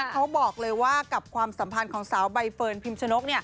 เขาบอกเลยว่ากับความสัมพันธ์ของสาวใบเฟิร์นพิมชนก